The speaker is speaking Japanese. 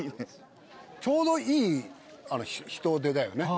ちょうどいい人出だよね